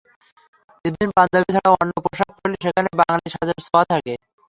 এদিন পাঞ্জাবি ছাড়া অন্য পোশাক পরলে সেখানে বাঙালি সাজের ছোঁয়া থাকে।